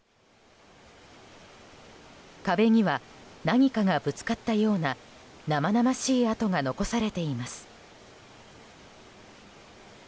壁には何かがぶつかったような生々しい跡が残されています。